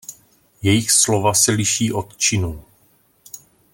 Jejich slova se liší od činů.